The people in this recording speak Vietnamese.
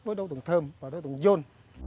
với đối tượng thơm và đối tượng dôn